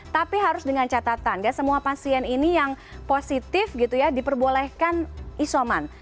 tapi harus dengan catatan semua pasien ini yang positif diperbolehkan isoman